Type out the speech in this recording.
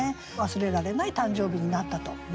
忘れられない誕生日になったと思います。